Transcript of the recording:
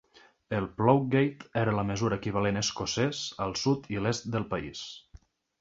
El "ploughgate" era la mesura equivalent escocès al sud i l'est del país.